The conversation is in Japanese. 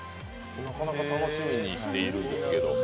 なかなか楽しみにしているんですけど。